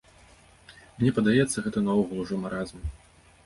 Мне падаецца, гэта наогул ужо маразм.